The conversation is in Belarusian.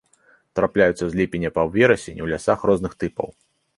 Трапляюцца з ліпеня па верасень у лясах розных тыпаў.